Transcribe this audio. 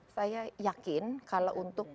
saya yakin kalau untuk